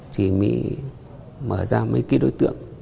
chỉ mới mở ra mấy cái đối tượng